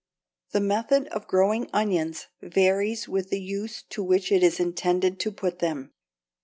= The method of growing onions varies with the use to which it is intended to put them.